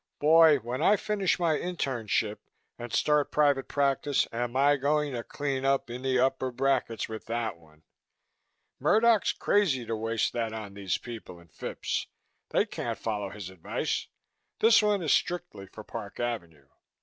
"Boy, when I finish my internship and start private practice, am I going to clean up in the upper brackets with that one! Murdoch's crazy to waste that on these people in Phipps. They can't follow his advice. This one is strictly for Park Avenue."